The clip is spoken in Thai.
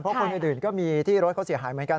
เพราะคนอื่นก็มีที่รถเขาเสียหายเหมือนกัน